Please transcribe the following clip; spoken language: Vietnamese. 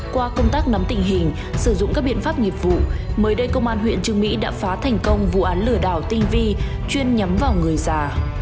qua công tác nắm tình hình sử dụng các biện pháp nghiệp vụ mới đây công an huyện trương mỹ đã phá thành công vụ án lừa đảo tinh vi chuyên nhắm vào người già